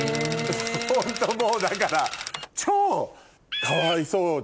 ホントもうだから超かわいそうだったのよ